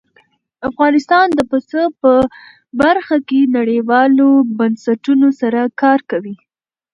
افغانستان د پسه په برخه کې نړیوالو بنسټونو سره کار کوي.